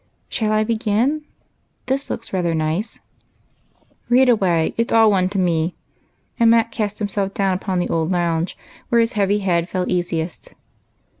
Shall I begin? — this looks rather nice." "Read away; it's all one to me." And Mac cast himself down upon the old lounge, w^here his heavy head felt easiest.